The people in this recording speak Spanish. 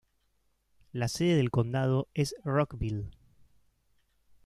La sede del condado es Rockville.